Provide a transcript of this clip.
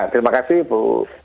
terima kasih bu